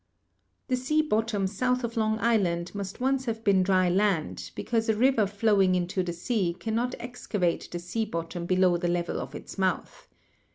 The sea bottom south of Long Island must once have been dry land, because a river flowing into the sea can not excavate the sea bottom below the level of its mouth.